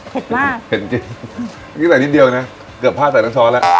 เผ็ดมากเป็นคืนนิดเดียวนะเกือบพลาดใส่ทั้งช้อนแล้ว